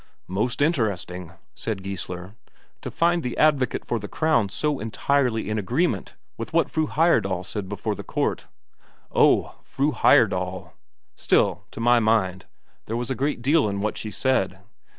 "Most interesting," said Geissler, "to find the advocate for the Crown so entirely in agreement with what Fru Heyerdahl said before the court." "Oh, Fru Heyerdahl!... Still, to my mind, there was a great deal in what she said.